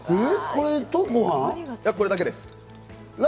これだけです。